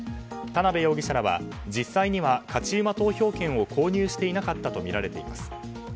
田辺容疑者らは実際には勝馬投票券を購入していなかったとみられています。